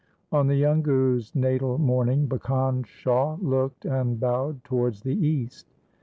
On the young Guru's natal morning Bhikan Shah looked and bowed towards the east.